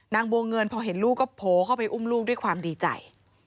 บัวเงินพอเห็นลูกก็โผล่เข้าไปอุ้มลูกด้วยความดีใจ